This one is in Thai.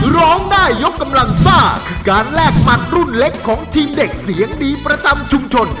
ร้องได้ยกกำลังซ่าคือการแลกหมัดรุ่นเล็กของทีมเด็กเสียงดีประจำชุมชน